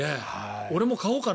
俺も飼おうかな